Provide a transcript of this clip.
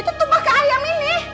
itu tumpah ke ayam ini